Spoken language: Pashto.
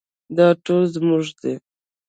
دا ټول زموږ دي